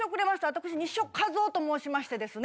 私西尾一男と申しましてですね。